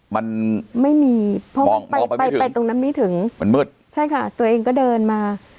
มันไม่มีเพราะว่าไปไปตรงนั้นไม่ถึงมันมืดใช่ค่ะตัวเองก็เดินมา